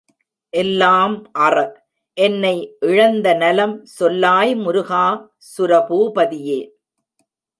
எல்லாம்அற, என்னை இழந்தநலம் சொல்லாய்முரு கா! சுர பூபதியே!